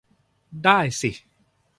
ได้สิ